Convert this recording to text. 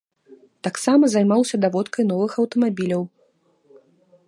Таксама займаўся даводкай новых аўтамабіляў.